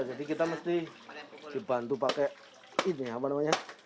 jadi kita mesti dibantu pakai ini apa namanya